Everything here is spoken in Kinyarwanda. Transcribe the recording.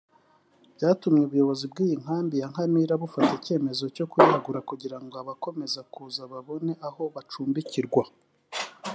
byatumye ubuyobozi bw’iyi nkambi ya Nkamira bufata icyemezo cyo kuyagura kugirango abakomeza kuza babone aho bacumbikirwa